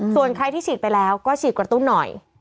ส่วนใครที่ฉีดไปแล้วก็ฉีดกระตุ้นหน่อย